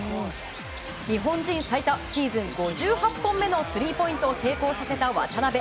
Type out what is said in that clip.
日本人最多シーズン５８本目のスリーポイントを成功させた渡邊。